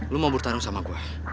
lo mau bertarung sama gue